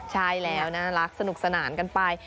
ใช่แล้วน่ารักสนุกสนานกันไป